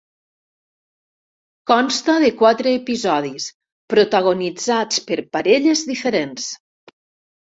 Consta de quatre episodis protagonitzats per parelles diferents.